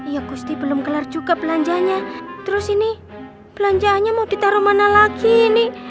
ya kusti belom kelar juga belanjaannya terus ini belanjaannya mau ditaro mana lagi ini